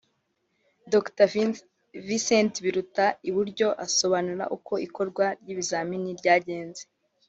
Dr Vincent Biruta (iburyo) asobanura uko ikorwa ry’ibizamini ryagenze